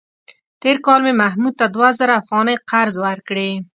تېر کال مې محمود ته دوه زره افغانۍ قرض ورکړې.